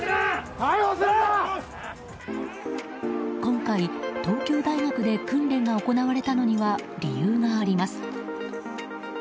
今回、東京大学で訓練が行われたのには理由があります。